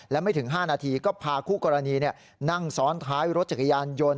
และไม่ถึง๕นาทีก็พาคู่กรณีนั่งซ้อนท้ายรถจักรยานยนต์